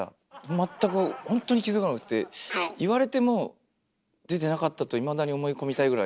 全くほんとに気づかなくて言われても出てなかったといまだに思い込みたいぐらい。